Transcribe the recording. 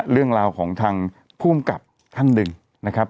เรื่องราวของทางภูมิกับท่านหนึ่งนะครับ